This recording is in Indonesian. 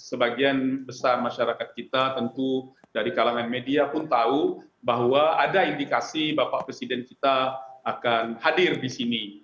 sebagian besar masyarakat kita tentu dari kalangan media pun tahu bahwa ada indikasi bapak presiden kita akan hadir di sini